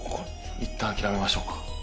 いったん諦めましょうか。